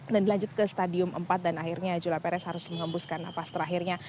dan berlanjut ke stadium empat dan akhirnya julia perez harus mengembuskan napas terakhirnya